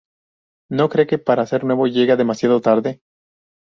¿ no cree que, para ser nuevo, llega demasiado tarde?